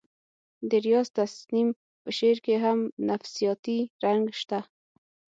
د ریاض تسنیم په شعر کې هم نفسیاتي رنګ شته